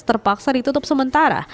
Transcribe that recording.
terpaksa ditutup sementara